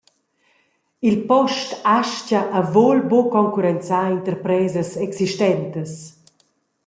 Il post astga e vul buca concurrenzar interpresas existentas.